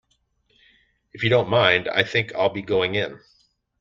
If you don't mind, I think I'll be going in.